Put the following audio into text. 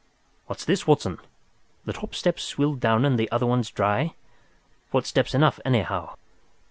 What's this, Watson? The top steps swilled down and the other ones dry. Footsteps enough, anyhow!